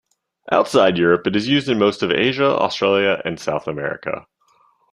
Outside Europe, it is used in most of Asia, Australia and South America.